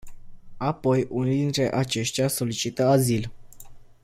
Apoi unii dintre aceștia solicită azil.